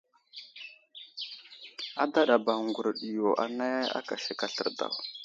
Aɗaba ŋgurəɗ yo anay aka sek aslər daw.